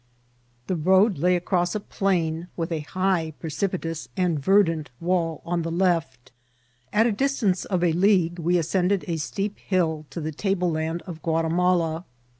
The road lay across a plain, with a high, precipitousi and verdant wall on the left. At a distance of a league we ascended a steep hill to the table land of Gnatimala.